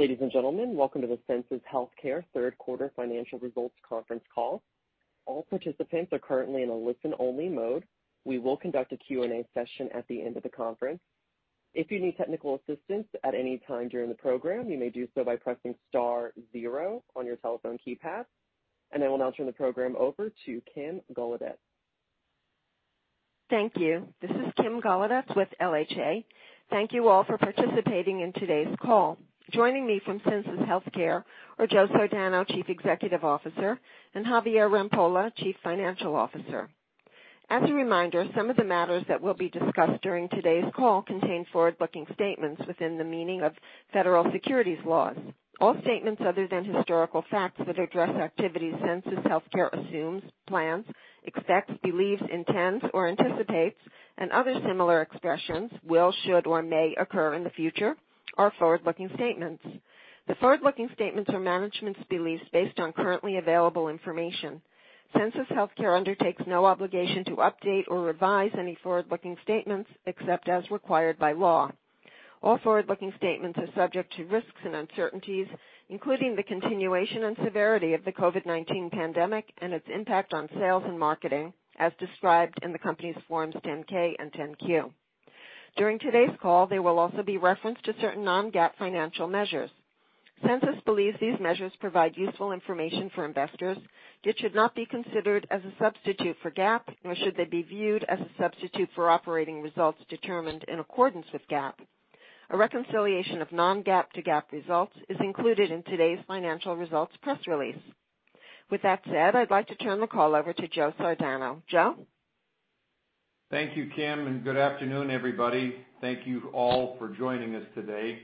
Ladies and gentlemen, welcome to the Sensus Healthcare third quarter financial results conference call. All participants are currently in a listen-only mode. We will conduct a Q&A session at the end of the conference. If you need technical assistance at any time during the program, you may do so by pressing star zero on your telephone keypad. I will now turn the program over to Kim Golodetz. Thank you. This is Kim Golodetz with LHA. Thank you all for participating in today's call. Joining me from Sensus Healthcare are Joe Sardano, Chief Executive Officer, and Javier Rampolla, Chief Financial Officer. As a reminder, some of the matters that will be discussed during today's call contain forward-looking statements within the meaning of federal securities laws. All statements other than historical facts that address activities Sensus Healthcare assumes, plans, expects, believes, intends, or anticipates and other similar expressions will, should, or may occur in the future are forward-looking statements. The forward-looking statements are management's beliefs based on currently available information. Sensus Healthcare undertakes no obligation to update or revise any forward-looking statements, except as required by law. All forward-looking statements are subject to risks and uncertainties, including the continuation and severity of the COVID-19 pandemic and its impact on sales and marketing, as described in the company's Forms 10-K and 10-Q. During today's call, there will also be reference to certain non-GAAP financial measures. Sensus believes these measures provide useful information for investors, yet should not be considered as a substitute for GAAP, nor should they be viewed as a substitute for operating results determined in accordance with GAAP. A reconciliation of non-GAAP to GAAP results is included in today's financial results press release. With that said, I'd like to turn the call over to Joe Sardano. Joe? Thank you, Kim, and good afternoon, everybody. Thank you all for joining us today.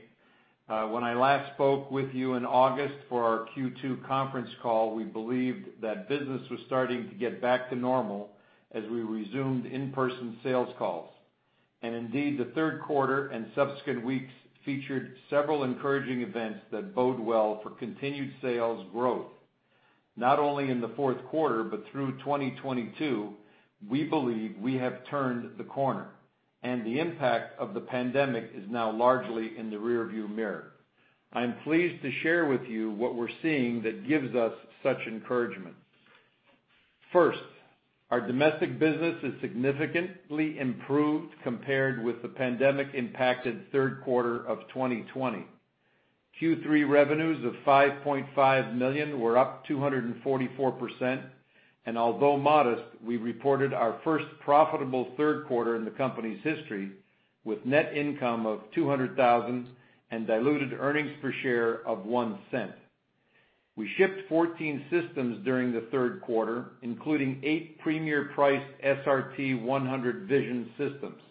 When I last spoke with you in August for our Q2 conference call, we believed that business was starting to get back to normal as we resumed in-person sales calls. Indeed, the third quarter and subsequent weeks featured several encouraging events that bode well for continued sales growth. Not only in the fourth quarter, but through 2022, we believe we have turned the corner, and the impact of the pandemic is now largely in the rearview mirror. I'm pleased to share with you what we're seeing that gives us such encouragement. First, our domestic business has significantly improved compared with the pandemic-impacted third quarter of 2020. Q3 revenues of $5.5 million were up 244%, and although modest, we reported our first profitable third quarter in the company's history with net income of $200,000 and diluted earnings per share of $0.01. We shipped 14 systems during the third quarter, including eight premier-priced SRT-100 Vision systems.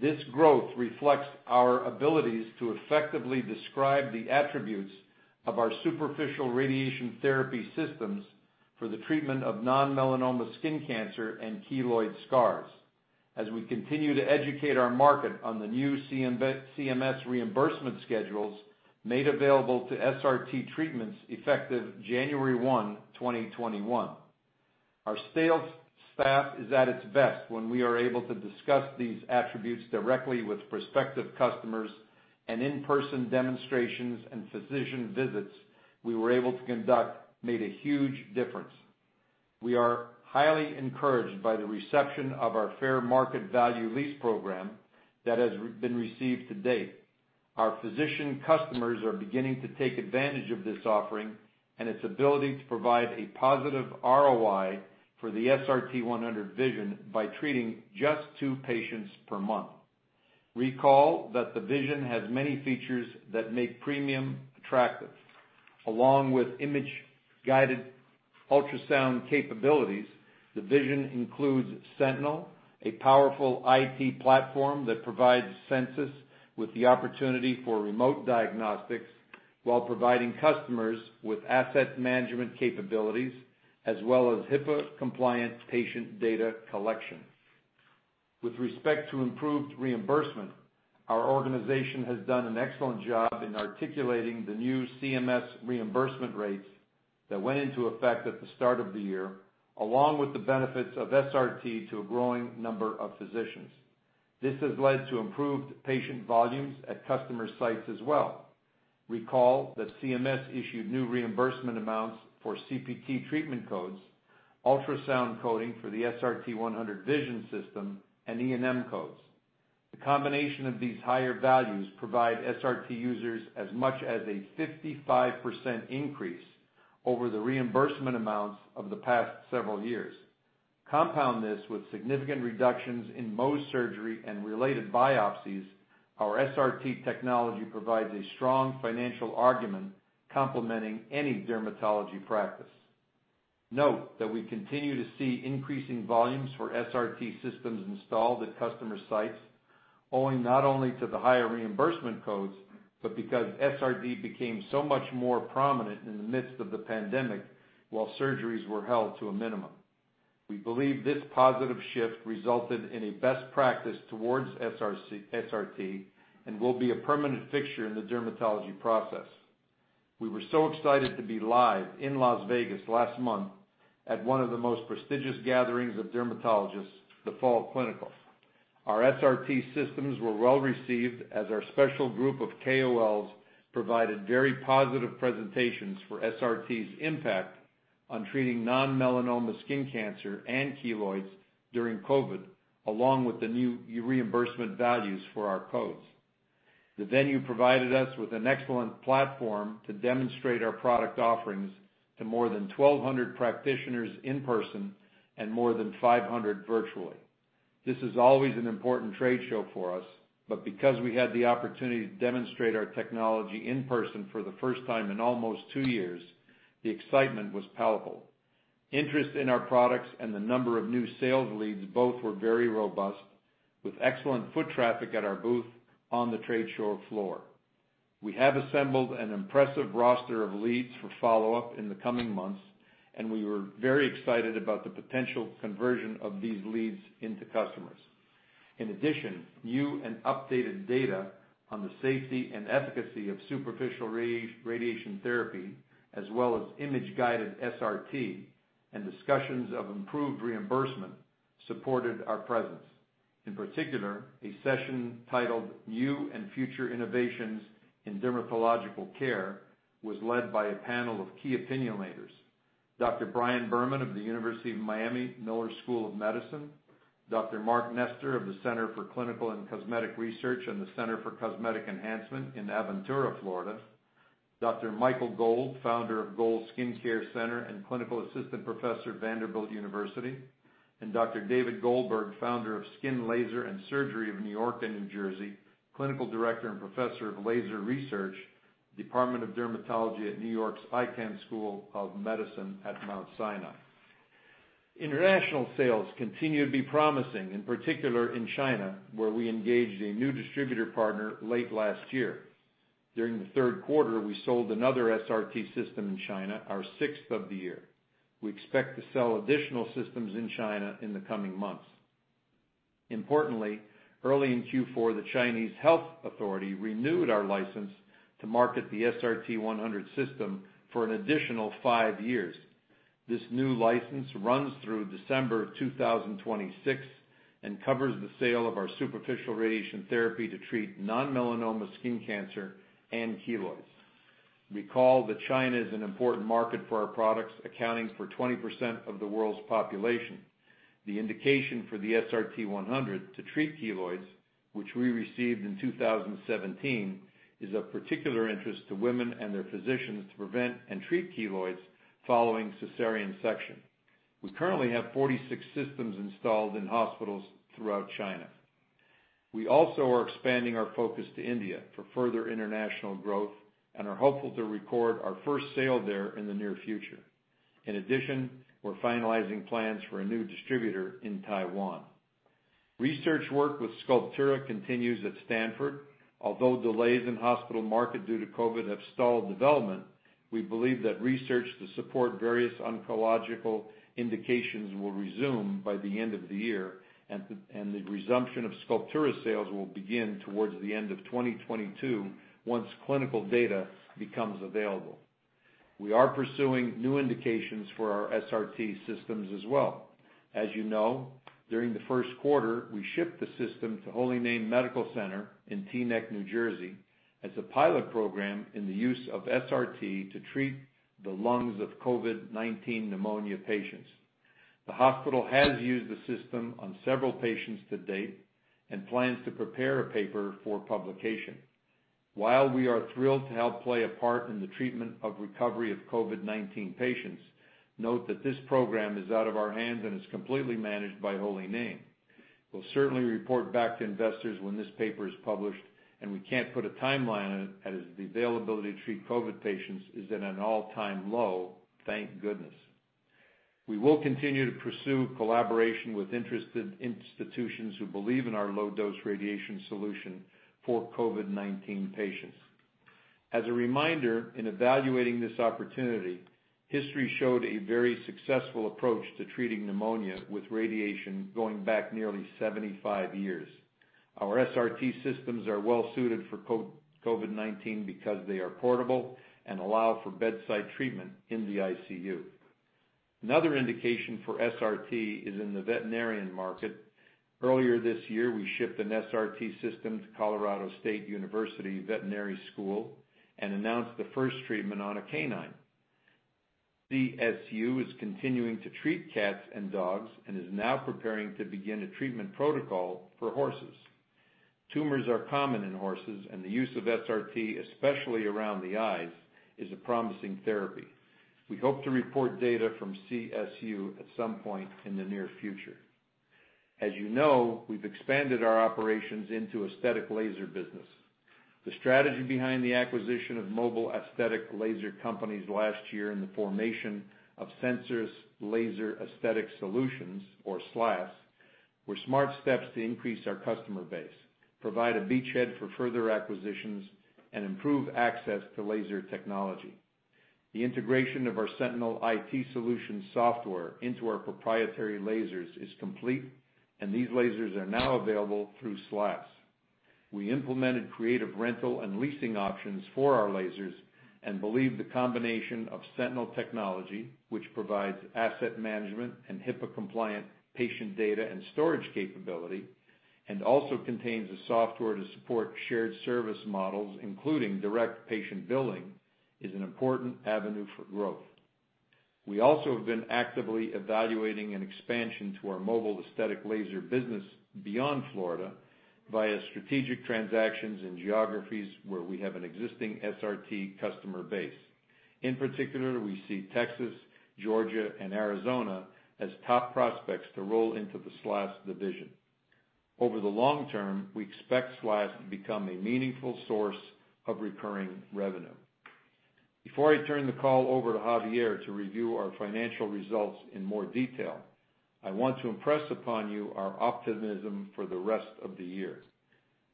This growth reflects our abilities to effectively describe the attributes of our superficial radiation therapy systems for the treatment of non-melanoma skin cancer and keloid scars as we continue to educate our market on the new CMS reimbursement schedules made available to SRT treatments effective January 1, 2021. Our sales staff is at its best when we are able to discuss these attributes directly with prospective customers, and in-person demonstrations and physician visits we were able to conduct made a huge difference. We are highly encouraged by the reception of our fair market value lease program that has been received to date. Our physician customers are beginning to take advantage of this offering and its ability to provide a positive ROI for the SRT-100 Vision by treating just two patients per month. Recall that the Vision has many features that make premium attractive. Along with image-guided ultrasound capabilities, the Vision includes Sentinel, a powerful IT platform that provides Sensus with the opportunity for remote diagnostics while providing customers with asset management capabilities, as well as HIPAA-compliant patient data collection. With respect to improved reimbursement, our organization has done an excellent job in articulating the new CMS reimbursement rates that went into effect at the start of the year, along with the benefits of SRT to a growing number of physicians. This has led to improved patient volumes at customer sites as well. Recall that CMS issued new reimbursement amounts for CPT treatment codes, ultrasound coding for the SRT-100 Vision system, and E&M codes. The combination of these higher values provide SRT users as much as a 55% increase over the reimbursement amounts of the past several years. Compound this with significant reductions in Mohs surgery and related biopsies, our SRT technology provides a strong financial argument complementing any dermatology practice. Note that we continue to see increasing volumes for SRT systems installed at customer sites, owing not only to the higher reimbursement codes, but because SRT became so much more prominent in the midst of the pandemic while surgeries were held to a minimum. We believe this positive shift resulted in a best practice towards SRT, and will be a permanent fixture in the dermatology process. We were so excited to be live in Las Vegas last month at one of the most prestigious gatherings of dermatologists, The Fall Clinical. Our SRT systems were well received as our special group of KOLs provided very positive presentations for SRT's impact on treating non-melanoma skin cancer and keloids during COVID, along with the new reimbursement values for our codes. The venue provided us with an excellent platform to demonstrate our product offerings to more than 1,200 practitioners in person and more than 500 virtually. This is always an important trade show for us, but because we had the opportunity to demonstrate our technology in person for the first time in almost two years, the excitement was palpable. Interest in our products and the number of new sales leads both were very robust, with excellent foot traffic at our booth on the trade show floor. We have assembled an impressive roster of leads for follow-up in the coming months, and we were very excited about the potential conversion of these leads into customers. In addition, new and updated data on the safety and efficacy of superficial radiation therapy, as well as image-guided SRT and discussions of improved reimbursement supported our presence. In particular, a session titled New and Future Innovations in Dermatological Care was led by a panel of key opinion leaders, Dr. Brian Berman of the University of Miami Miller School of Medicine, Dr. Mark Nestor of the Center for Clinical and Cosmetic Research and the Center for Cosmetic Enhancement in Aventura, Florida, Dr. Michael Gold, founder of Gold Skin Care Center and Clinical Assistant Professor at Vanderbilt University, and Dr. David Goldberg, founder of Skin Laser & Surgery Specialists of New York and New Jersey, Clinical Director and Professor of Laser Research, Department of Dermatology at New York's Icahn School of Medicine at Mount Sinai. International sales continue to be promising, in particular in China, where we engaged a new distributor partner late last year. During the third quarter, we sold another SRT system in China, our sixth of the year. We expect to sell additional systems in China in the coming months. Importantly, early in Q4, the Chinese Health Authority renewed our license to market the SRT-100 system for an additional 5 years. This new license runs through December of 2026 and covers the sale of our superficial radiation therapy to treat non-melanoma skin cancer and keloids. Recall that China is an important market for our products, accounting for 20% of the world's population. The indication for the SRT-100 to treat keloids, which we received in 2017, is of particular interest to women and their physicians to prevent and treat keloids following cesarean section. We currently have 46 systems installed in hospitals throughout China. We also are expanding our focus to India for further international growth and are hopeful to record our first sale there in the near future. In addition, we're finalizing plans for a new distributor in Taiwan. Research work with Sculptura continues at Stanford. Although delays in hospital market due to COVID have stalled development, we believe that research to support various oncological indications will resume by the end of the year, and the resumption of Sculptura sales will begin towards the end of 2022 once clinical data becomes available. We are pursuing new indications for our SRT systems as well. As you know, during the first quarter, we shipped the system to Holy Name Medical Center in Teaneck, New Jersey, as a pilot program in the use of SRT to treat the lungs of COVID-19 pneumonia patients. The hospital has used the system on several patients to date and plans to prepare a paper for publication. While we are thrilled to help play a part in the treatment of recovery of COVID-19 patients, note that this program is out of our hands and is completely managed by Holy Name. We'll certainly report back to investors when this paper is published, and we can't put a timeline on it as the availability to treat COVID patients is at an all-time low, thank goodness. We will continue to pursue collaboration with interested institutions who believe in our low-dose radiation solution for COVID-19 patients. As a reminder, in evaluating this opportunity, history showed a very successful approach to treating pneumonia with radiation going back nearly 75 years. Our SRT systems are well suited for COVID-19 because they are portable and allow for bedside treatment in the ICU. Another indication for SRT is in the veterinary market. Earlier this year, we shipped an SRT system to Colorado State University Veterinary School and announced the first treatment on a canine. CSU is continuing to treat cats and dogs and is now preparing to begin a treatment protocol for horses. Tumors are common in horses, and the use of SRT, especially around the eyes, is a promising therapy. We hope to report data from CSU at some point in the near future. As you know, we've expanded our operations into aesthetic laser business. The strategy behind the acquisition of mobile aesthetic laser companies last year and the formation of Sensus Laser Aesthetic Solutions, or SLAS, were smart steps to increase our customer base, provide a beachhead for further acquisitions, and improve access to laser technology. The integration of our Sentinel IT solution software into our proprietary lasers is complete, and these lasers are now available through SLAS. We implemented creative rental and leasing options for our lasers and believe the combination of Sentinel technology, which provides asset management and HIPAA-compliant patient data and storage capability, and also contains a software to support shared service models, including direct patient billing, is an important avenue for growth. We also have been actively evaluating an expansion to our mobile aesthetic laser business beyond Florida via strategic transactions in geographies where we have an existing SRT customer base. In particular, we see Texas, Georgia, and Arizona as top prospects to roll into the SLAS division. Over the long term, we expect SLAS to become a meaningful source of recurring revenue. Before I turn the call over to Javier to review our financial results in more detail, I want to impress upon you our optimism for the rest of the year.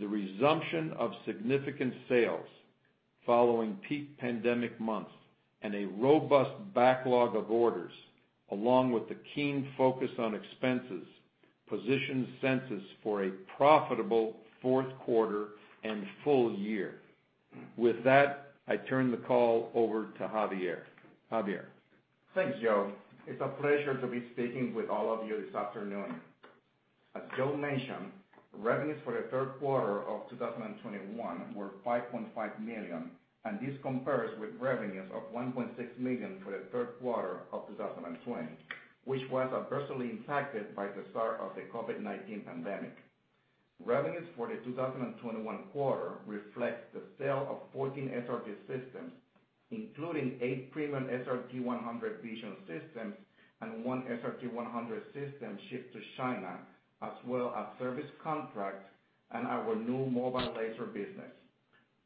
The resumption of significant sales following peak pandemic months and a robust backlog of orders, along with the keen focus on expenses, positions Sensus for a profitable fourth quarter and full year. With that, I turn the call over to Javier. Javier? Thanks, Joe. It's a pleasure to be speaking with all of you this afternoon. As Joe mentioned, revenues for the third quarter of 2021 were $5.5 million, and this compares with revenues of $1.6 million for the third quarter of 2020, which was adversely impacted by the start of the COVID-19 pandemic. Revenues for the 2021 quarter reflect the sale of 14 SRT systems, including eight premium SRT-100 Vision systems and one SRT-100 system shipped to China, as well as service contracts and our new mobile laser business.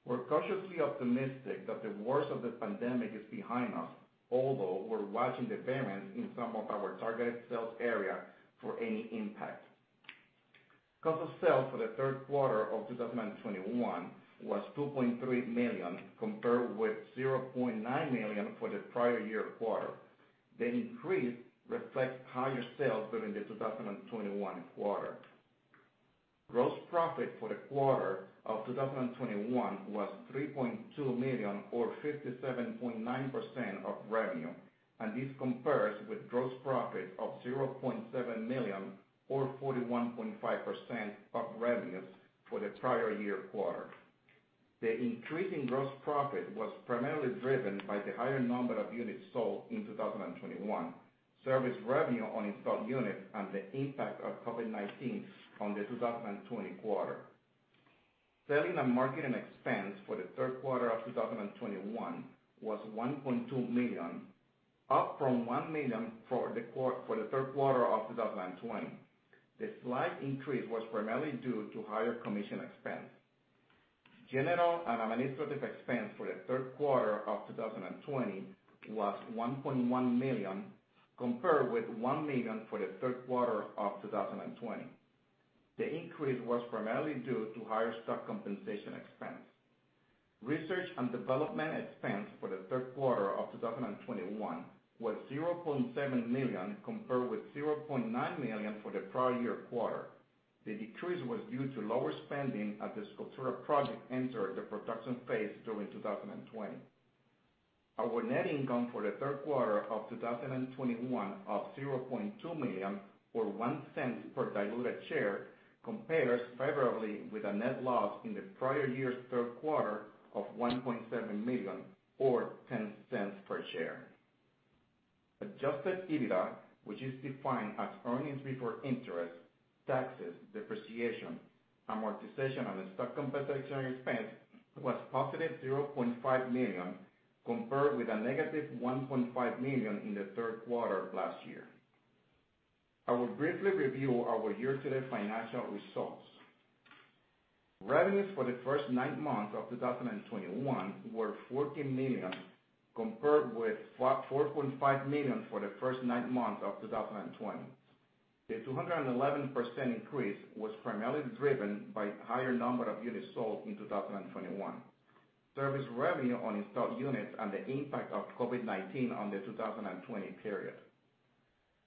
We're cautiously optimistic that the worst of the pandemic is behind us, although we're watching the variants in some of our targeted sales area for any impact. Cost of sales for the third quarter of 2021 was $2.3 million, compared with $0.9 million for the prior year quarter. The increase reflects higher sales during the 2021 quarter. Gross profit for the quarter of 2021 was $3.2 million or 57.9% of revenue, and this compares with gross profit of $0.7 million or 41.5% of revenues for the prior year quarter. The increase in gross profit was primarily driven by the higher number of units sold in 2021, service revenue on installed units, and the impact of COVID-19 on the 2020 quarter. Selling and marketing expense for the third quarter of 2021 was $1.2 million, up from $1 million for the third quarter of 2020. The slight increase was primarily due to higher commission expense. General and administrative expense for the third quarter of 2021 was $1.1 million, compared with $1 million for the third quarter of 2020. The increase was primarily due to higher stock compensation expense. Research and development expense for the third quarter of 2021 was $0.7 million, compared with $0.9 million for the prior year quarter. The decrease was due to lower spending as the Sculptura project entered the production phase during 2020. Our net income for the third quarter of 2021 of $0.2 million or $0.01 per diluted share compares favorably with a net loss in the prior year's third quarter of $1.7 million or $0.10 per share. Adjusted EBITDA, which is defined as earnings before interest, taxes, depreciation, amortization, and stock compensation expense, was positive $0.5 million, compared with a negative $1.5 million in the third quarter of last year. I will briefly review our year-to-date financial results. Revenues for the first nine months of 2021 were $14 million, compared with $4.5 million for the first nine months of 2020. The 211% increase was primarily driven by higher number of units sold in 2021. Service revenue on installed units and the impact of COVID-19 on the 2020 period.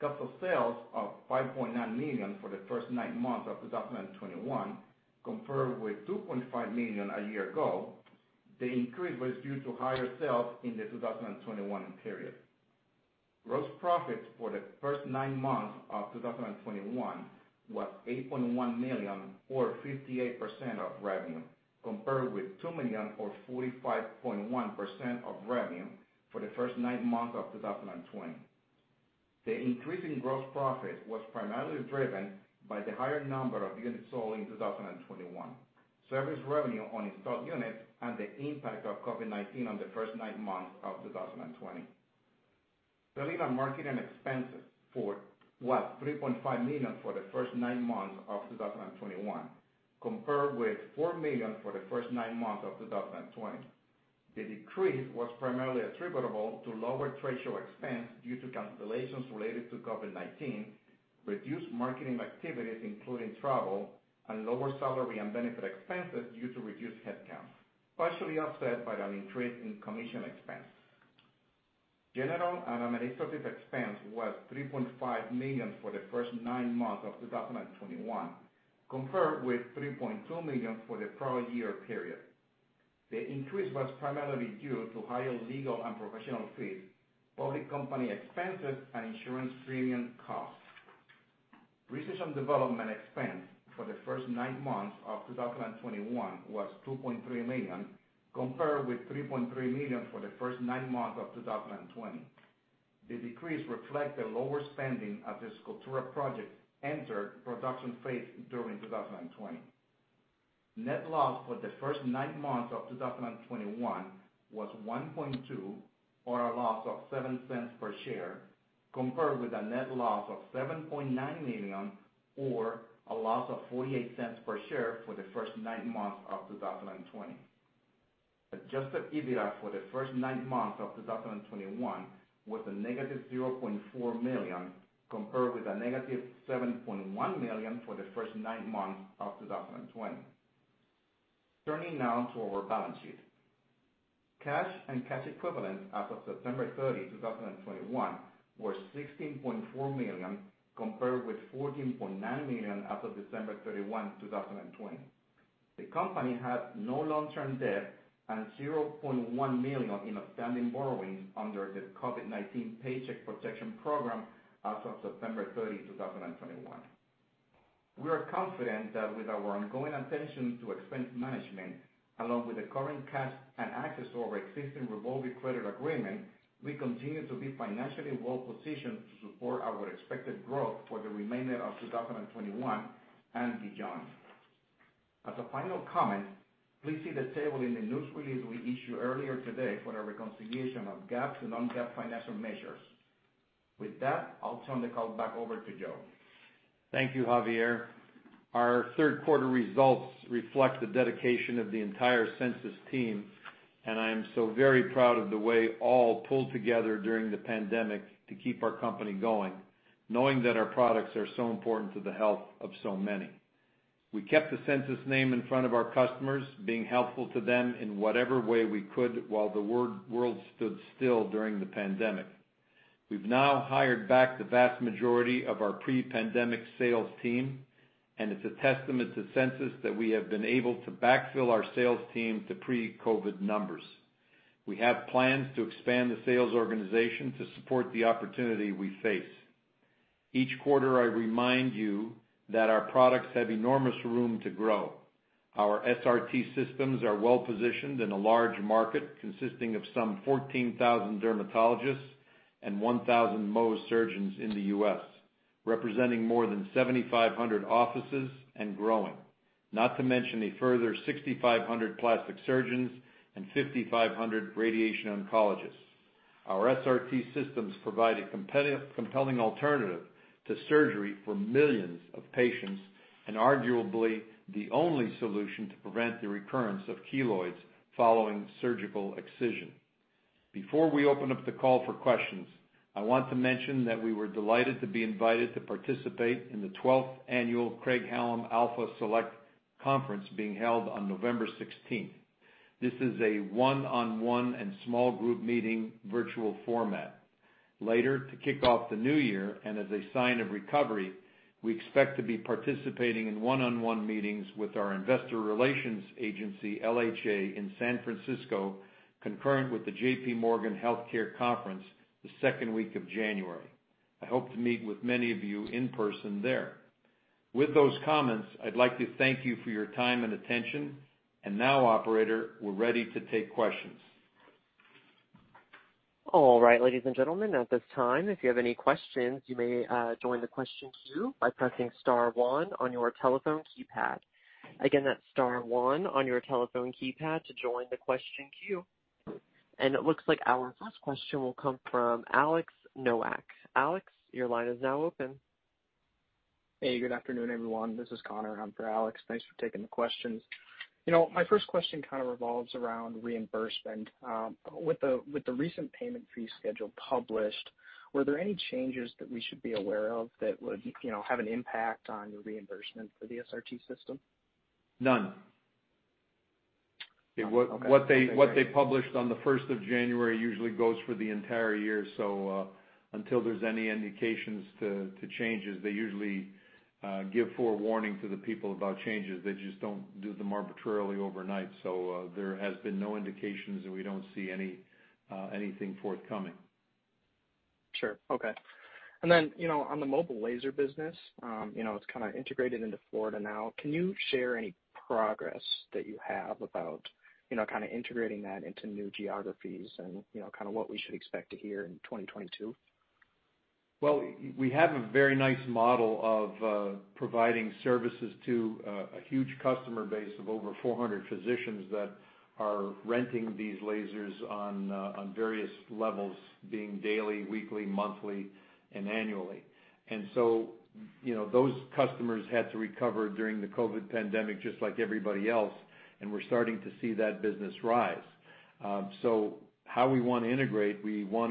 Cost of sales of $5.9 million for the first nine months of 2021, compared with $2.5 million a year ago. The increase was due to higher sales in the 2021 period. Gross profits for the first nine months of 2021 was $8.1 million or 58% of revenue, compared with $2 million or 45.1% of revenue for the first nine months of 2020. The increase in gross profit was primarily driven by the higher number of units sold in 2021. Service revenue on installed units and the impact of COVID-19 on the first nine months of 2020. Selling and marketing expenses were $3.5 million for the first nine months of 2021, compared with $4 million for the first nine months of 2020. The decrease was primarily attributable to lower trade show expense due to cancellations related to COVID-19, reduced marketing activities including travel, and lower salary and benefit expenses due to reduced headcount, partially offset by an increase in commission expense. General and administrative expense was $3.5 million for the first nine months of 2021, compared with $3.2 million for the prior year period. The increase was primarily due to higher legal and professional fees, public company expenses, and insurance premium costs. Research and development expense for the first nine months of 2021 was $2.3 million, compared with $3.3 million for the first nine months of 2020. The decrease reflects the lower spending as the Sculptura project entered production phase during 2020. Net loss for the first nine months of 2021 was $1.2 million or a loss of $0.07 per share, compared with a net loss of $7.9 million or a loss of $0.48 per share for the first nine months of 2020. Adjusted EBITDA for the first nine months of 2021 was -$0.4 million, compared with -$7.1 million for the first nine months of 2020. Turning now to our balance sheet. Cash and cash equivalents as of September 30, 2021 were $16.4 million, compared with $14.9 million as of December 31, 2020. The company had no long-term debt and $0.1 million in outstanding borrowings under the COVID-19 Paycheck Protection Program as of September 30, 2021. We are confident that with our ongoing attention to expense management, along with the current cash and access to our existing revolving credit agreement, we continue to be financially well-positioned to support our expected growth for the remainder of 2021 and beyond. As a final comment, please see the table in the news release we issued earlier today for the reconciliation of GAAP to non-GAAP financial measures. With that, I'll turn the call back over to Joe. Thank you, Javier. Our third quarter results reflect the dedication of the entire Sensus team, and I am so very proud of the way all pulled together during the pandemic to keep our company going, knowing that our products are so important to the health of so many. We kept the Sensus name in front of our customers, being helpful to them in whatever way we could while the world stood still during the pandemic. We've now hired back the vast majority of our pre-pandemic sales team, and it's a testament to Sensus that we have been able to backfill our sales team to pre-COVID numbers. We have plans to expand the sales organization to support the opportunity we face. Each quarter, I remind you that our products have enormous room to grow. Our SRT systems are well-positioned in a large market consisting of some 14,000 dermatologists and 1,000 Mohs surgeons in the U.S., representing more than 7,500 offices and growing. Not to mention a further 6,500 plastic surgeons and 5,500 radiation oncologists. Our SRT systems provide a compelling alternative to surgery for millions of patients and arguably the only solution to prevent the recurrence of keloids following surgical excision. Before we open up the call for questions, I want to mention that we were delighted to be invited to participate in the 12th annual Craig-Hallum Alpha Select Conference being held on November 16. This is a one-on-one and small group meeting virtual format. Later, to kick off the new year and as a sign of recovery, we expect to be participating in one-on-one meetings with our investor relations agency, LHA, in San Francisco, concurrent with the J.P. Morgan Healthcare Conference the second week of January. I hope to meet with many of you in person there. With those comments, I'd like to thank you for your time and attention. Now, operator, we're ready to take questions. All right, ladies and gentlemen. At this time, if you have any questions, you may join the question queue by pressing star one on your telephone keypad. Again, that's star one on your telephone keypad to join the question queue. It looks like our first question will come from Alex Nowak. Alex, your line is now open. Hey, good afternoon, everyone. This is Connor in for Alex. Thanks for taking the questions. You know, my first question kind of revolves around reimbursement. With the recent payment fee schedule published, were there any changes that we should be aware of that would, you know, have an impact on the reimbursement for the SRT system? None. Okay. What they published on the first of January usually goes for the entire year. Until there's any indications of changes, they usually give forewarning to the people about changes. They just don't do them arbitrarily overnight. There has been no indications, and we don't see anything forthcoming. Sure. Okay. On the mobile laser business, you know, it's kinda integrated into Florida now. Can you share any progress that you have about, you know, kinda integrating that into new geographies and, you know, kinda what we should expect to hear in 2022? Well, we have a very nice model of providing services to a huge customer base of over 400 physicians that are renting these lasers on various levels, being daily, weekly, monthly, and annually. You know, those customers had to recover during the COVID pandemic just like everybody else, and we're starting to see that business rise. We want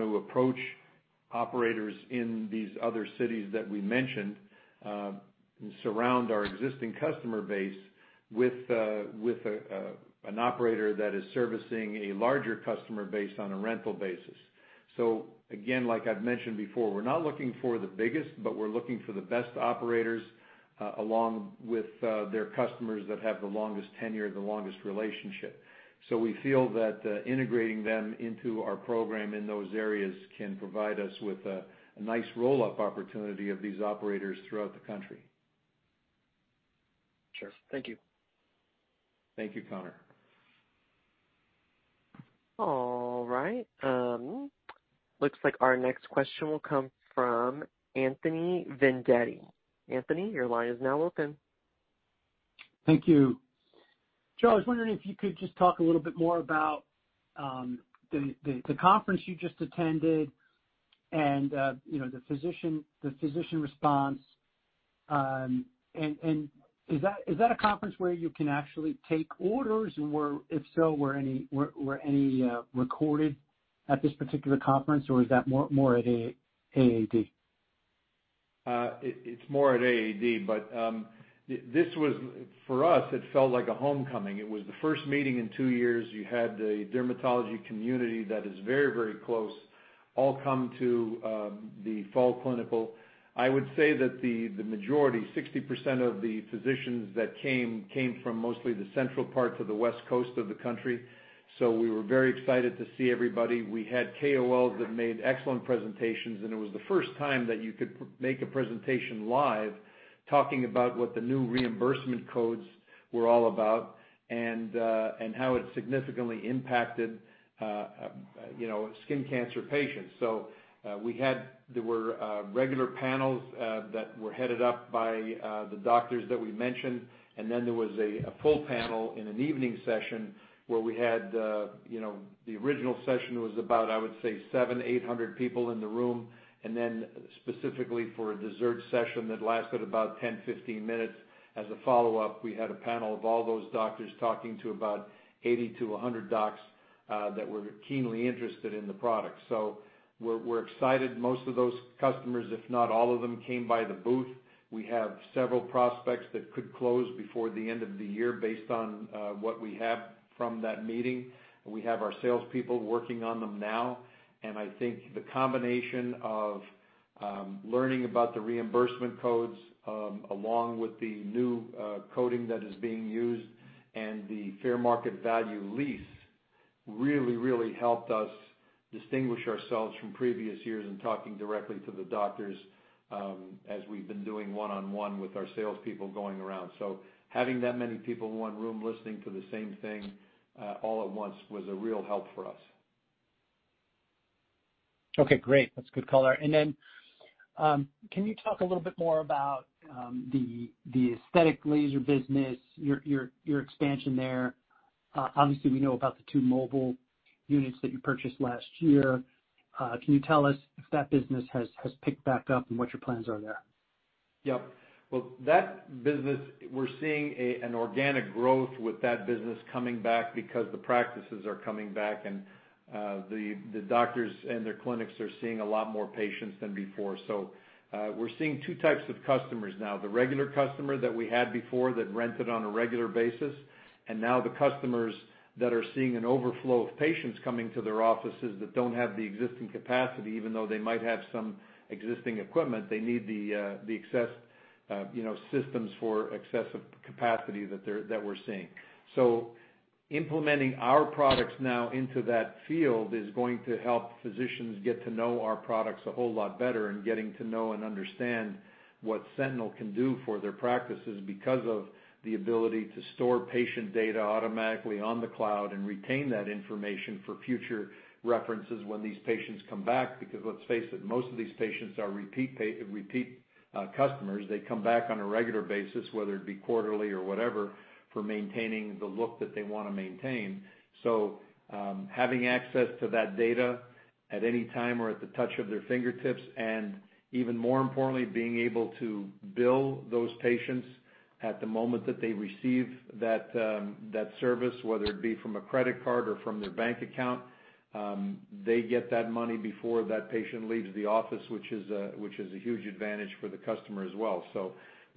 to approach operators in these other cities that we mentioned surround our existing customer base with an operator that is servicing a larger customer base on a rental basis. Again, like I've mentioned before, we're not looking for the biggest, but we're looking for the best operators along with their customers that have the longest tenure, the longest relationship. We feel that integrating them into our program in those areas can provide us with a nice roll-up opportunity of these operators throughout the country. Sure. Thank you. Thank you, Connor. All right. Looks like our next question will come from Anthony Vendetti. Anthony, your line is now open. Thank you. Joe, I was wondering if you could just talk a little bit more about the conference you just attended, and the physician response. Is that a conference where you can actually take orders? And if so, were any recorded at this particular conference, or is that more at AAD? It's more at AAD, but this was, for us, it felt like a homecoming. It was the first meeting in 2 years. You had the dermatology community that is very, very close, all come to the Fall Clinical. I would say that the majority, 60% of the physicians that came from mostly the central parts of the West Coast of the country. We were very excited to see everybody. We had KOLs that made excellent presentations, and it was the first time that you could make a presentation live talking about what the new reimbursement codes were all about and how it significantly impacted, you know, skin cancer patients. We had regular panels that were headed up by the doctors that we mentioned. There was a full panel in an evening session where we had, you know, the original session was about, I would say, 700-800 people in the room. Specifically for a dessert session that lasted about 10-15 minutes as a follow-up, we had a panel of all those doctors talking to about 80-100 docs that were keenly interested in the product. We're excited. Most of those customers, if not all of them, came by the booth. We have several prospects that could close before the end of the year based on what we have from that meeting. We have our salespeople working on them now. I think the combination of learning about the reimbursement codes along with the new coding that is being used and the fair market value lease really helped us distinguish ourselves from previous years in talking directly to the doctors as we've been doing one-on-one with our salespeople going around. Having that many people in one room listening to the same thing all at once was a real help for us. Okay, great. That's good color. Can you talk a little bit more about the aesthetic laser business, your expansion there? Obviously, we know about the two mobile units that you purchased last year. Can you tell us if that business has picked back up and what your plans are there? Yep. Well, that business, we're seeing an organic growth with that business coming back because the practices are coming back and the doctors and their clinics are seeing a lot more patients than before. We're seeing two types of customers now, the regular customer that we had before that rented on a regular basis, and now the customers that are seeing an overflow of patients coming to their offices that don't have the existing capacity, even though they might have some existing equipment, they need the excess, you know, systems for excessive capacity that we're seeing. Implementing our products now into that field is going to help physicians get to know our products a whole lot better and getting to know and understand what Sentinel can do for their practices because of the ability to store patient data automatically on the cloud and retain that information for future references when these patients come back, because let's face it, most of these patients are repeat customers. They come back on a regular basis, whether it be quarterly or whatever, for maintaining the look that they wanna maintain. Having access to that data at any time or at the touch of their fingertips, and even more importantly, being able to bill those patients at the moment that they receive that service, whether it be from a credit card or from their bank account, they get that money before that patient leaves the office, which is a huge advantage for the customer as well.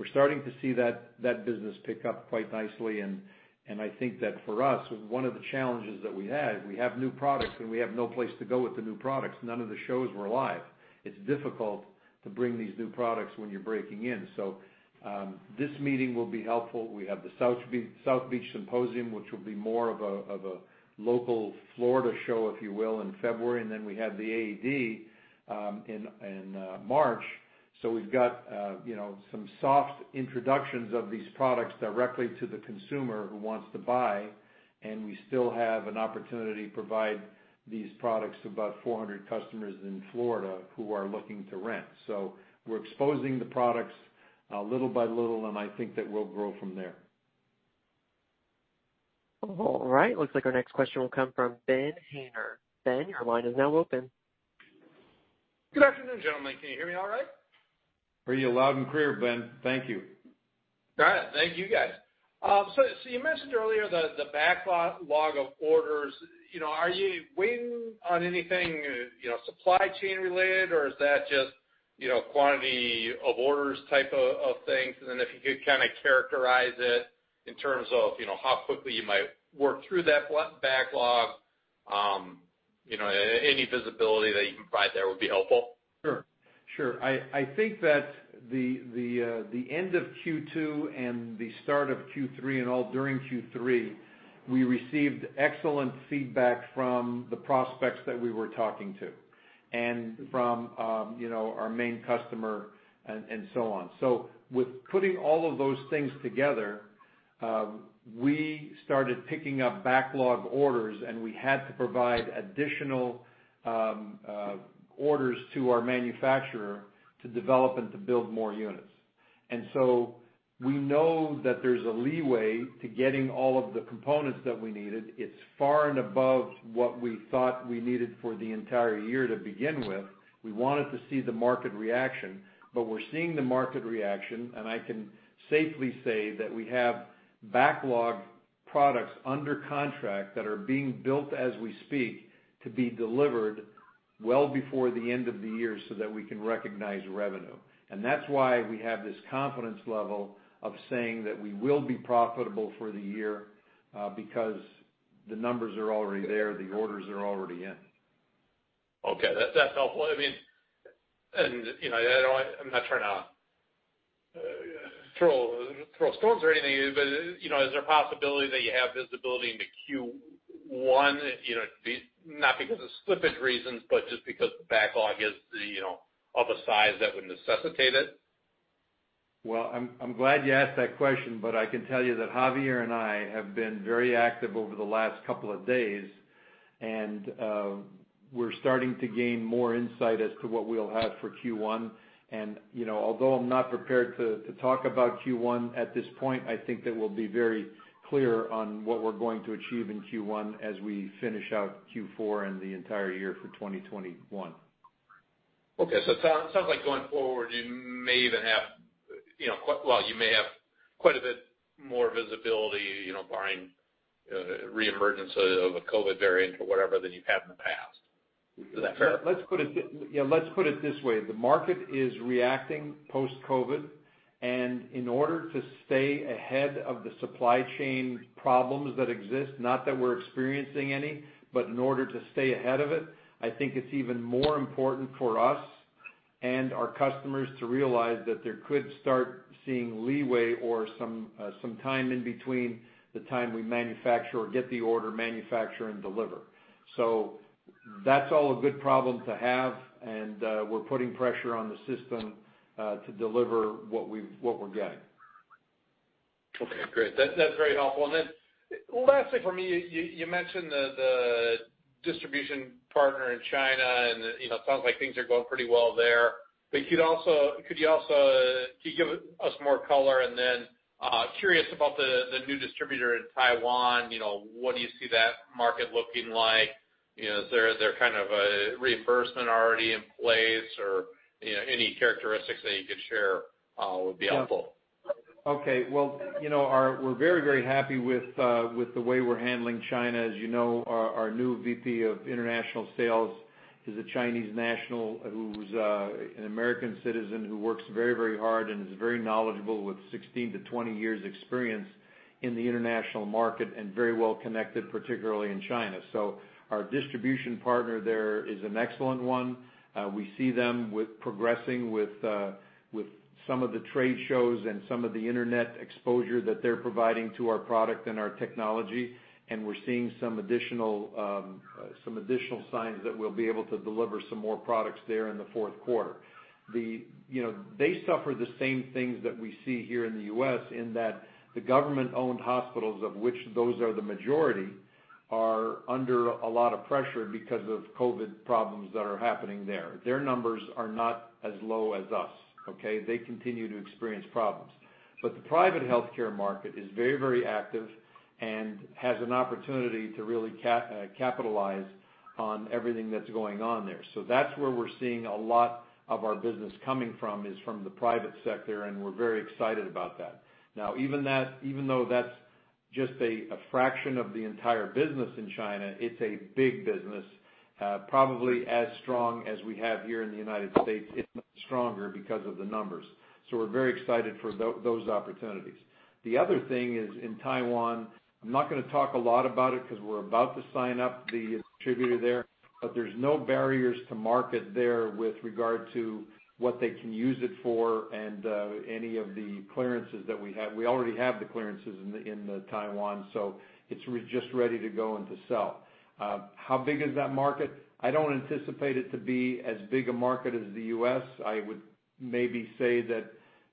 We're starting to see that business pick up quite nicely. I think that for us, one of the challenges that we have new products, and we have no place to go with the new products. None of the shows were live. It's difficult to bring these new products when you're breaking in. This meeting will be helpful. We have the South Beach Symposium, which will be more of a local Florida show, if you will, in February. Then we have the AAD in March. We've got you know, some soft introductions of these products directly to the consumer who wants to buy, and we still have an opportunity to provide these products to about 400 customers in Florida who are looking to rent. We're exposing the products little by little, and I think that we'll grow from there. All right. Looks like our next question will come from Ben Haynor. Ben, your line is now open. Good afternoon, gentlemen. Can you hear me all right? We hear you loud and clear, Ben. Thank you. Got it. Thank you guys. So you mentioned earlier the backlog of orders. You know, are you waiting on anything, you know, supply chain related, or is that just, you know, quantity of orders type of things? Then if you could kinda characterize it in terms of, you know, how quickly you might work through that backlog. You know, any visibility that you can provide there would be helpful. Sure. I think that the end of Q2 and the start of Q3 and all during Q3, we received excellent feedback from the prospects that we were talking to and from our main customer and so on. With putting all of those things together, we started picking up backlog orders, and we had to provide additional orders to our manufacturer to develop and to build more units. We know that there's a leeway to getting all of the components that we needed. It's far and above what we thought we needed for the entire year to begin with. We wanted to see the market reaction, but we're seeing the market reaction, and I can safely say that we have backlog products under contract that are being built as we speak to be delivered well before the end of the year so that we can recognize revenue. That's why we have this confidence level of saying that we will be profitable for the year, because the numbers are already there, the orders are already in. Okay. That's helpful. I mean, you know, I don't want, I'm not trying to throw stones or anything, but, you know, is there a possibility that you have visibility into Q1, you know, not because of slippage reasons, but just because the backlog is, you know, of a size that would necessitate it? Well, I'm glad you asked that question, but I can tell you that Javier and I have been very active over the last couple of days, and we're starting to gain more insight as to what we'll have for Q1. You know, although I'm not prepared to talk about Q1 at this point, I think that we'll be very clear on what we're going to achieve in Q1 as we finish out Q4 and the entire year for 2021. Okay. It sounds like going forward, you may even have quite a bit more visibility, you know, barring reemergence of a COVID variant or whatever than you have in the past. Is that fair? Yeah, let's put it this way. The market is reacting post-COVID, and in order to stay ahead of the supply chain problems that exist, not that we're experiencing any, but in order to stay ahead of it, I think it's even more important for us and our customers to realize that they could start seeing leeway or some time in between the time we get the order, manufacture, and deliver. That's all a good problem to have, and we're putting pressure on the system to deliver what we're getting. Okay, great. That's very helpful. Then lastly for me, you mentioned the distribution partner in China and, you know, it sounds like things are going pretty well there. But can you give us more color? Curious about the new distributor in Taiwan. You know, what do you see that market looking like? You know, is there kind of a reimbursement already in place or, you know, any characteristics that you could share would be helpful. Okay. Well, you know, we're very, very happy with the way we're handling China. As you know, our new VP of international sales is a Chinese national who's an American citizen, who works very, very hard and is very knowledgeable with 16-20 years experience in the international market and very well connected, particularly in China. So our distribution partner there is an excellent one. We see them progressing with some of the trade shows and some of the internet exposure that they're providing to our product and our technology, and we're seeing some additional signs that we'll be able to deliver some more products there in the fourth quarter. The You know, they suffer the same things that we see here in the U.S., in that the government-owned hospitals, of which those are the majority, are under a lot of pressure because of COVID problems that are happening there. Their numbers are not as low as us, okay? They continue to experience problems. The private healthcare market is very, very active and has an opportunity to really capitalize on everything that's going on there. That's where we're seeing a lot of our business coming from, is from the private sector, and we're very excited about that. Now, even though that's just a fraction of the entire business in China, it's a big business, probably as strong as we have here in the United States. It's much stronger because of the numbers. We're very excited for those opportunities. The other thing is, in Taiwan, I'm not gonna talk a lot about it 'cause we're about to sign up the distributor there, but there's no barriers to market there with regard to what they can use it for and any of the clearances that we have. We already have the clearances in Taiwan, so it's just ready to go and to sell. How big is that market? I don't anticipate it to be as big a market as the U.S. I would maybe say that,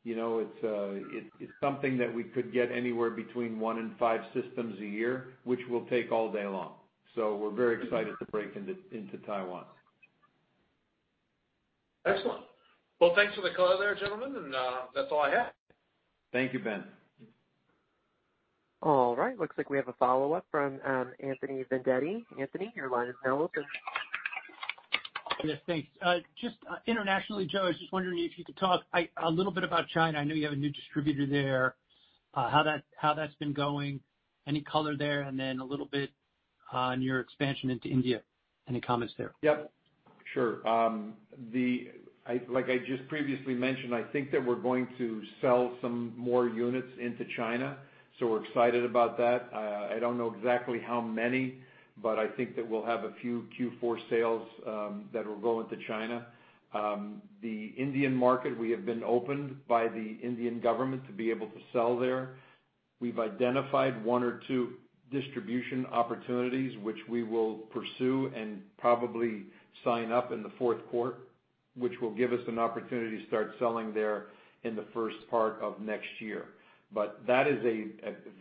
you know, it's something that we could get anywhere between 1 system and 5 systems a year, which we'll take all day long. We're very excited to break into Taiwan. Excellent. Well, thanks for the color there, gentlemen, and that's all I have. Thank you, Ben. All right. Looks like we have a follow-up from Anthony Vendetti. Anthony, your line is now open. Yes, thanks. Just internationally, Joe, I was just wondering if you could talk a little bit about China. I know you have a new distributor there, how that's been going? Any color there? Then a little bit on your expansion into India. Any comments there? Yep. Sure. Like I just previously mentioned, I think that we're going to sell some more units into China, so we're excited about that. I don't know exactly how many, but I think that we'll have a few Q4 sales that will go into China. The Indian market, we have been opened by the Indian government to be able to sell there. We've identified one or two distribution opportunities, which we will pursue and probably sign up in the fourth quarter, which will give us an opportunity to start selling there in the first part of next year. But that is a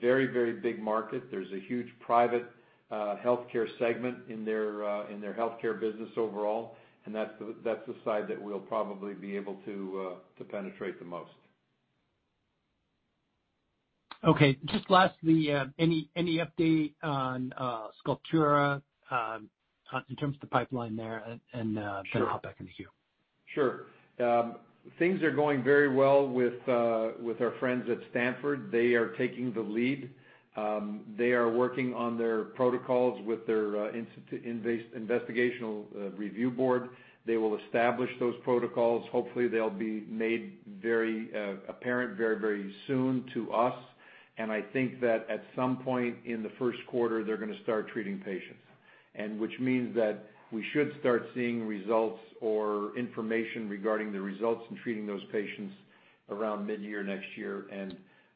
very, very big market. There's a huge private healthcare segment in their healthcare business overall, and that's the side that we'll probably be able to penetrate the most. Okay. Just lastly, any update on Sculptura in terms of the pipeline there? I'll hop back in the queue. Sure. Things are going very well with with our friends at Stanford. They are taking the lead. They are working on their protocols with their investigational review board. They will establish those protocols. Hopefully, they'll be made very apparent very, very soon to us. I think that at some point in the first quarter, they're gonna start treating patients. Which means that we should start seeing results or information regarding the results in treating those patients around mid-year next year.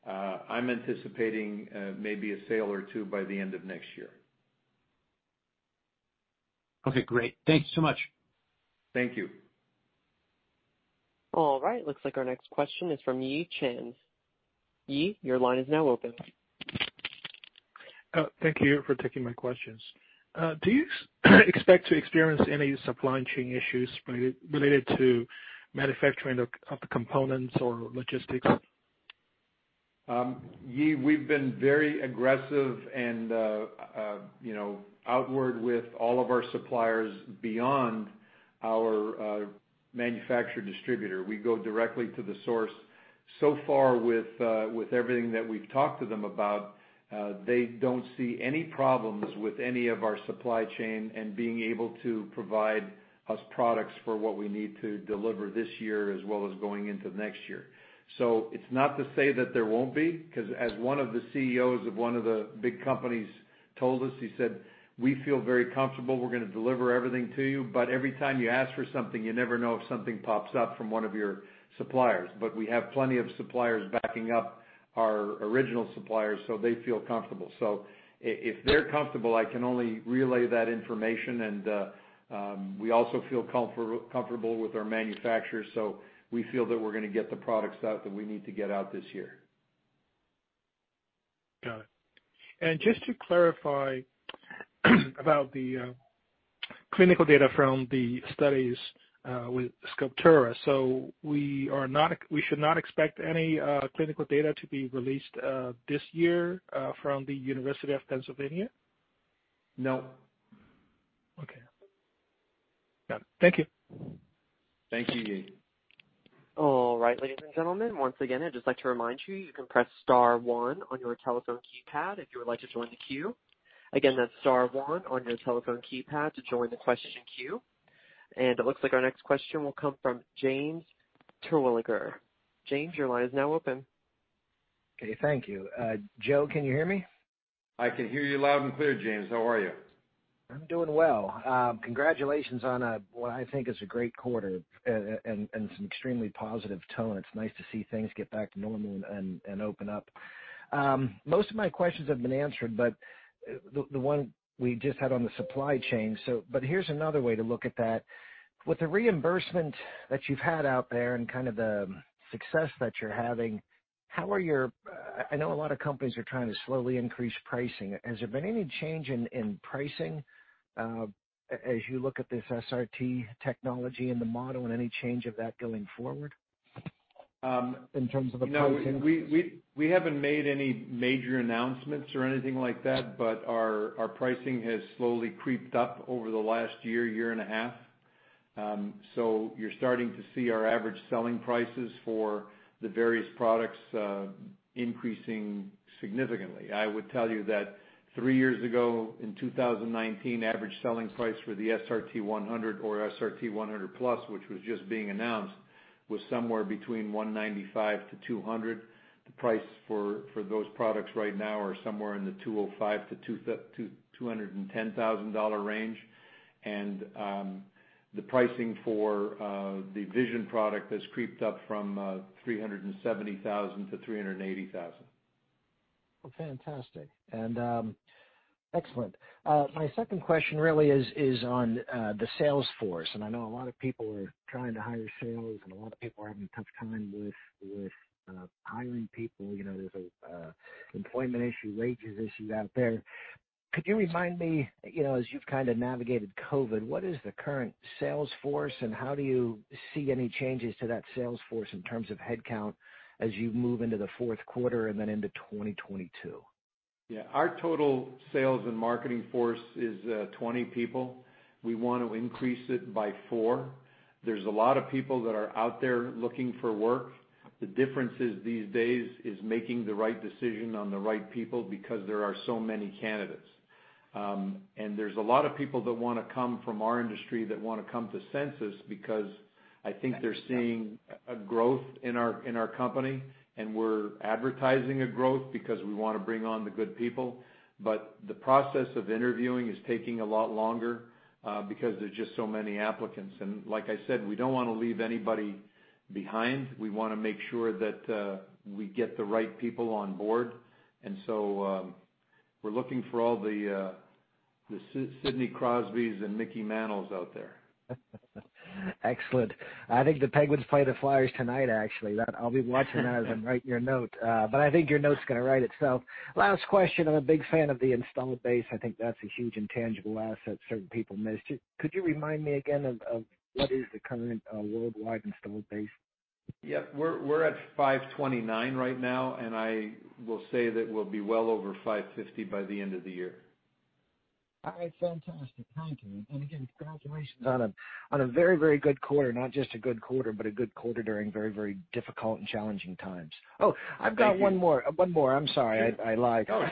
I'm anticipating maybe a sale or two by the end of next year. Okay, great. Thank you so much. Thank you. All right. Looks like our next question is from Yi Chen. Yi, your line is now open. Thank you for taking my questions. Do you expect to experience any supply chain issues related to manufacturing of the components or logistics? Yi, we've been very aggressive and, you know, outward with all of our suppliers beyond our manufacturer distributor. We go directly to the source. So far with everything that we've talked to them about, they don't see any problems with any of our supply chain and being able to provide us products for what we need to deliver this year as well as going into next year. It's not to say that there won't be, 'cause as one of the CEOs of one of the big companies told us, he said, "We feel very comfortable we're gonna deliver everything to you, but every time you ask for something, you never know if something pops up from one of your suppliers." We have plenty of suppliers backing up our original suppliers, so they feel comfortable. If they're comfortable, I can only relay that information and, we also feel comfortable with our manufacturers. We feel that we're gonna get the products out that we need to get out this year. Got it. Just to clarify about the clinical data from the studies with Sculptura. We should not expect any clinical data to be released this year from the University of Pennsylvania? No. Okay. Yeah, thank you. Thank you, Yi. All right, ladies and gentlemen. Once again, I'd just like to remind you can press star one on your telephone keypad if you would like to join the queue. Again, that's star one on your telephone keypad to join the question queue. It looks like our next question will come from James Terwilliger. James, your line is now open. Okay, thank you. Joe, can you hear me? I can hear you loud and clear, James. How are you? I'm doing well. Congratulations on what I think is a great quarter and some extremely positive tone. It's nice to see things get back to normal and open up. Most of my questions have been answered, but the one we just had on the supply chain, so but here's another way to look at that. With the reimbursement that you've had out there and kind of the success that you're having, how are your... I know a lot of companies are trying to slowly increase pricing. Has there been any change in pricing as you look at this SRT technology and the model and any change of that going forward in terms of the pricing? No, we haven't made any major announcements or anything like that, but our pricing has slowly creeped up over the last year and a half. You're starting to see our average selling prices for the various products increasing significantly. I would tell you that three years ago, in 2019, average selling price for the SRT-100 or SRT-100+, which was just being announced, was somewhere between $195,000-$200,000. The price for those products right now are somewhere in the $205,000-$210,000 range. The pricing for the Vision product has creeped up from $370,000 to $380,000. Well, fantastic. Excellent. My second question really is on the sales force. I know a lot of people are trying to hire sales, and a lot of people are having a tough time with hiring people. You know, there's a employment issue, wages issue out there. Could you remind me, you know, as you've kinda navigated COVID-19, what is the current sales force and how do you see any changes to that sales force in terms of headcount as you move into the fourth quarter and then into 2022? Yeah. Our total sales and marketing force is 20 people. We want to increase it by four. There's a lot of people that are out there looking for work. The difference is these days is making the right decision on the right people because there are so many candidates. There's a lot of people that wanna come from our industry that wanna come to Sensus because I think they're seeing a growth in our company, and we're advertising a growth because we wanna bring on the good people. The process of interviewing is taking a lot longer because there's just so many applicants. Like I said, we don't wanna leave anybody behind. We wanna make sure that we get the right people on board. We're looking for all the Sidney Crosby and Mickey Mantle out there. Excellent. I think the Penguins play the Flyers tonight, actually. That I'll be watching as I write your note. But I think your note's gonna write itself. Last question. I'm a big fan of the installed base. I think that's a huge intangible asset certain people missed. Could you remind me again of what is the current worldwide installed base? Yeah. We're at $529 right now, and I will say that we'll be well over $550 by the end of the year. All right. Fantastic. Thank you. Again, congratulations on a very, very good quarter. Not just a good quarter, but a good quarter during very, very difficult and challenging times. Oh, I've got one more. I'm sorry. I lied. Oh.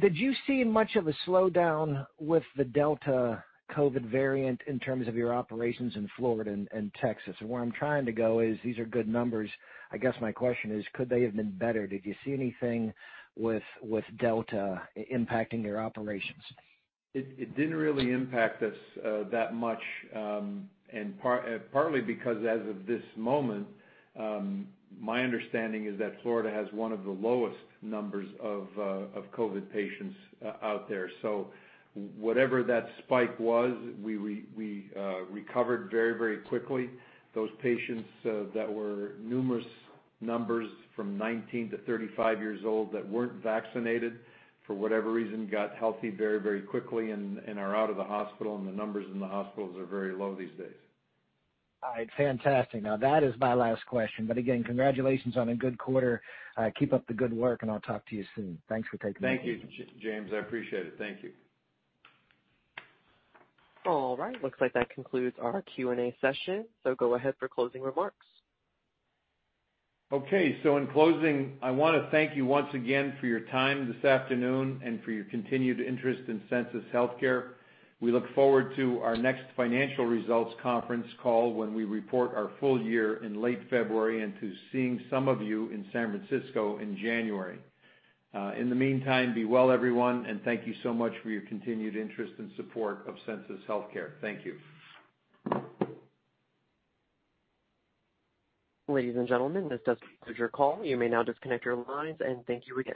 Did you see much of a slowdown with the Delta COVID variant in terms of your operations in Florida and Texas? Where I'm trying to go is these are good numbers. I guess my question is, could they have been better? Did you see anything with Delta impacting your operations? It didn't really impact us that much, and partly because as of this moment, my understanding is that Florida has one of the lowest numbers of COVID patients out there. Whatever that spike was, we recovered very quickly. Those patients from 19-35 years old that weren't vaccinated for whatever reason got healthy very quickly and are out of the hospital, and the numbers in the hospitals are very low these days. All right. Fantastic. Now that is my last question. Again, congratulations on a good quarter. Keep up the good work, and I'll talk to you soon. Thanks for taking my call. Thank you, James. I appreciate it. Thank you. All right. Looks like that concludes our Q&A session. Go ahead for closing remarks. Okay. In closing, I wanna thank you once again for your time this afternoon and for your continued interest in Sensus Healthcare. We look forward to our next financial results conference call when we report our full year in late February and to seeing some of you in San Francisco in January. In the meantime, be well, everyone, and thank you so much for your continued interest and support of Sensus Healthcare. Thank you. Ladies and gentlemen, this does conclude your call. You may now disconnect your lines and thank you again.